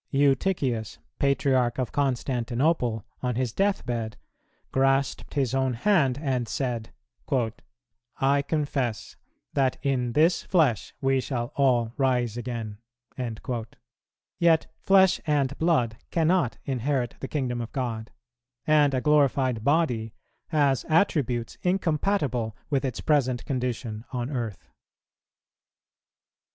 Eutychius, Patriarch of Constantinople, on his death bed, grasped his own hand and said, "I confess that in this flesh we shall all rise again;" yet flesh and blood cannot inherit the kingdom of God, and a glorified body has attributes incompatible with its present condition on earth.